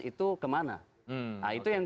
itu kemana nah itu yang